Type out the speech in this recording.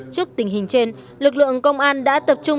trước tình hình trên lực lượng công an đã tập trung